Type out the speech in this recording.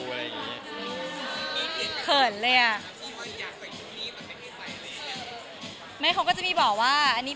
อยากไปจุดนี้ความแทะนี่ใส่ว่าอะไร